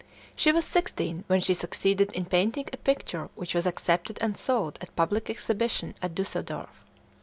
She was sixteen when she succeeded in painting a picture which was accepted and sold at a public exhibition at Dusseldorf.